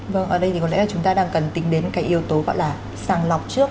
vâng ở đây thì có lẽ là chúng ta đang cần tính đến cái yếu tố gọi là sàng lọc trước